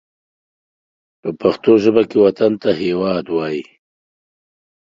په پښتو ژبه کې وطن ته هېواد وايي